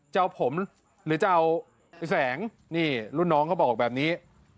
จะเอาผมหรือจะเอาไอ้แสงนี่รุ่นน้องเขาบอกแบบนี้